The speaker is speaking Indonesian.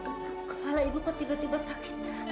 kalau ibu kok tiba tiba sakit